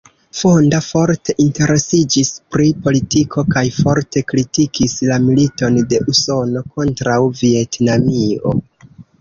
Fonda forte interesiĝis pri politiko kaj forte kritikis la militon de Usono kontraŭ Vjetnamio.